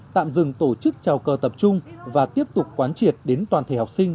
tạm dừng tổ chức trào cờ tập trung và tiếp tục quán triệt đến toàn thể học sinh